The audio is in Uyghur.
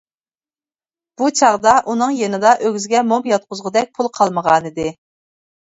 بۇ چاغدا ئۇنىڭ يېنىدا ئۆگزىگە موم ياتقۇزغۇدەك پۇل قالمىغانىدى.